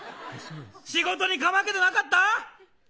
仕事にかまけてなかった。